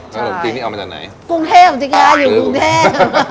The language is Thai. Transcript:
ขนมจีนนี่เอามาจากไหนกรุงเทพสิคะอยู่กรุงเทพ